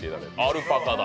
アルパカだ。